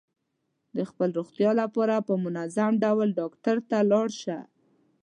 د خپل روغتیا لپاره په منظم ډول ډاکټر ته لاړ شه.